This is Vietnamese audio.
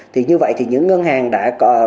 thì như vậy thì những ngân hàng đã có